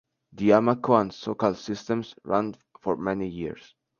The Amoco and Socal systems ran for many years.